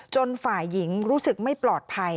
ฝ่ายหญิงรู้สึกไม่ปลอดภัย